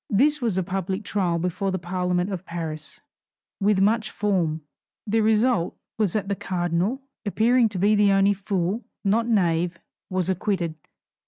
This was a public trial before the Parliament of Paris, with much form. The result was that the cardinal, appearing to be only fool, not knave, was acquitted.